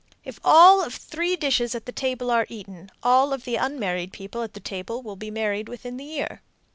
If all of three dishes at the table are eaten, all of the unmarried people at the table will be married within the year.